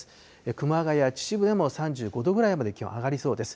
熊谷、秩父でも３５度ぐらいまで、気温上がりそうです。